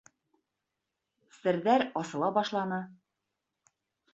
Серҙәр асыла башланы.